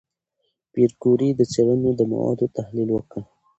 پېیر کوري د څېړنو د موادو تحلیل وکړ.